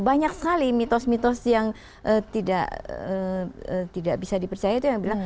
banyak sekali mitos mitos yang tidak bisa dipercaya